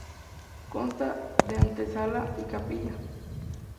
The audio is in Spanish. Consta de antesala y capilla.